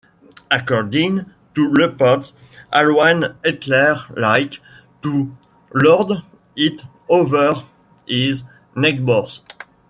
According to reports, Alois Hitler liked to lord it over his neighbors.